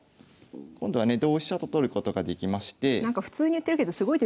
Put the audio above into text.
今度はね同飛車と取ることができまして。